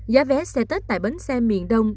giá vé xe tết tại bến xe miền đông